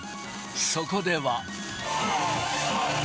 そこでは。